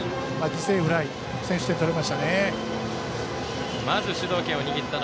犠牲フライ、先取点取りました。